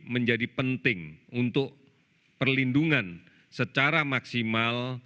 menjadi penting untuk perlindungan secara maksimal